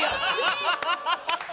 ハハハハハ！